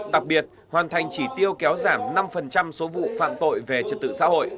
đặc biệt hoàn thành chỉ tiêu kéo giảm năm số vụ phạm tội về trật tự xã hội